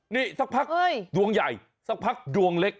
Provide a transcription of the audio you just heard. นี่สักพักดวงใหญ่สักพักดวงเล็ก